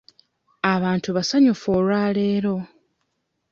Abantu basanyufu olwa leero.